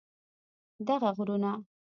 دغه غرونه